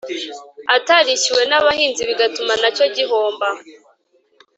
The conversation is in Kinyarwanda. atarishyuwe n’abahinzi, bigatuma nacyo gihomba